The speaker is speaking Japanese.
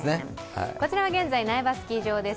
こちらは現在の苗場スキー場です。